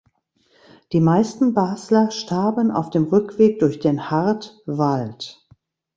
Die meisten Basler starben auf dem Rückweg durch den "Hard" Wald.